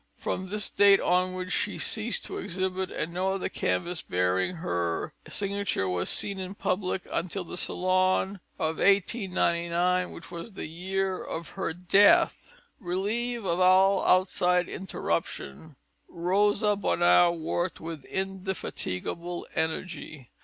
From this date onward she ceased to exhibit, and no other canvas bearing her signature was seen in public until the Salon of 1899, which was the year of her death. Relieved of all outside interruption, Rosa Bonheur worked with indefatigable energy.